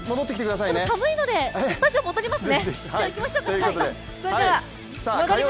ちょっと寒いのでスタジオ戻りますね。